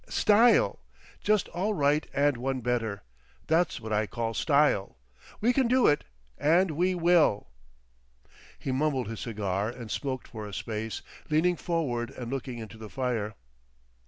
Style! Just all right and one better. That's what I call Style. We can do it, and we will." He mumbled his cigar and smoked for a space, leaning forward and looking into the fire.